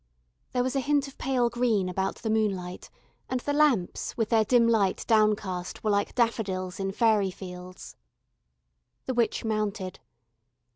There was a hint of pale green about the moonlight, and the lamps with their dim light downcast were like daffodils in faery fields. The witch mounted.